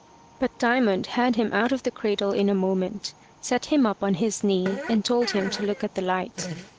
But Diamond had him out of the cradle in a moment, set him up on his knee, and told him to look at the light.